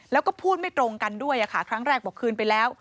แล้วก็พูดไม่ตรงกันด้วยค่ะครั้งแรกบอกคืนไปแล้ว